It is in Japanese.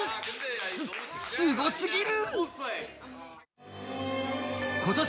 す、すごすぎる！